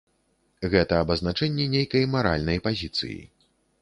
Гэта абазначэнне нейкай маральнай пазіцыі.